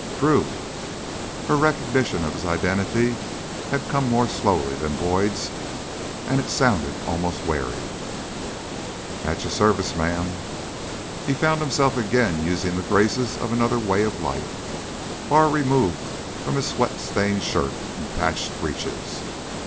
"Drew!" Her recognition of his identity had come more slowly than Boyd's, and it sounded almost wary. "At your service, ma'am." He found himself again using the graces of another way of life, far removed from his sweat stained shirt and patched breeches.